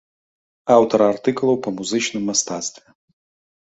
Аўтар артыкулаў па музычным мастацтве.